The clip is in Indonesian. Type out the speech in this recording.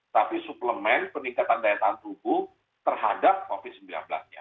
tapi suplemen peningkatan daya tahan tubuh terhadap covid sembilan belas nya